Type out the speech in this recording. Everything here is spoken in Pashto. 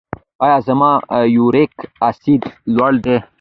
ایا زما یوریک اسید لوړ دی؟